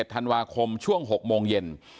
ธันวาคมช่วง๖โมงเย็น